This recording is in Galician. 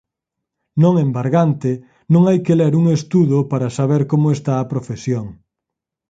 Non embargante, non hai que ler un estudo para saber como está a profesión.